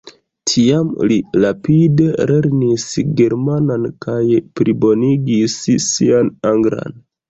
Tiam li rapide lernis germanan kaj plibonigis sian anglan.